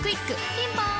ピンポーン